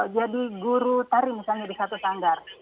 jadi guru tari misalnya di satu tanggar